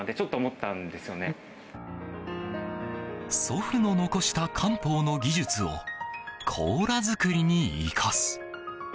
祖父の残した漢方の技術をコーラ作りに生かす。